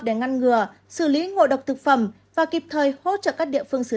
để ngăn ngừa xử lý ngộ độc thực phẩm và kịp thời hỗ trợ các địa phương xử lý